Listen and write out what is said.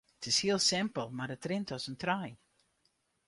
It is hiel simpel mar it rint as in trein.